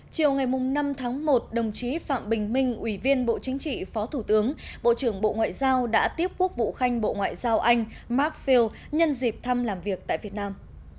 chiều ngày năm tháng một đồng chí phạm bình minh ủy viên bộ chính trị phó thủ tướng bộ trưởng bộ ngoại giao đã tiếp quốc vụ khanh bộ ngoại giao anh maffield nhân dịp thăm làm việc tại việt nam